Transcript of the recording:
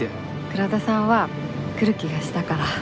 倉田さんは来る気がしたから。